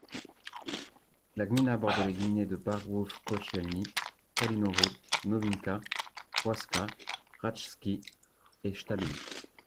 La gmina borde les gminy de Bargłów Kościelny, Kalinowo, Nowinka, Płaska, Raczki et Sztabin.